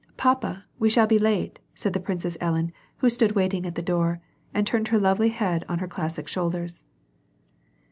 " Papa, we shall be late," said the Princess Ellen, who stood waiting at the door, and turned her lovely head on her classic shoulders.